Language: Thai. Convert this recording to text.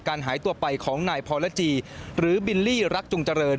หายตัวไปของนายพรจีหรือบิลลี่รักจุงเจริญ